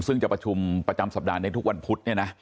ซึ่งจะประชุมประจำสัปดาห์ในทุกวันพุธ